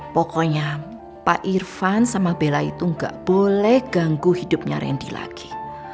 pokoknya pak irvan sama bella itu gak boleh ganggu hidupnya randy lagi